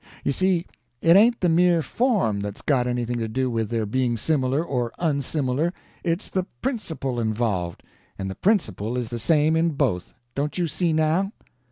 You see, it ain't the mere form that's got anything to do with their being similar or unsimilar, it's the principle involved; and the principle is the same in both. Don't you see, now?"